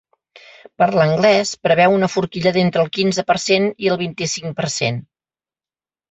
Per l’anglès preveu una forquilla d’entre el quinze per cent i el vint-i-cinc per cent.